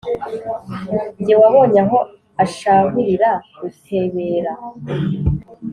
-"Jye wabonye aho ashahurira Rutebera,